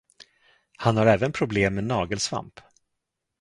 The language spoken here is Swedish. Han har även problem med nagelsvamp.